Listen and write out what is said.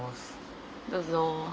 どうぞ。